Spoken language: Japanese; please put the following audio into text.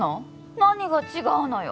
何が違うのよ